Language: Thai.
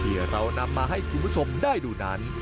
ที่เรานำมาให้คุณผู้ชมได้ดูนั้น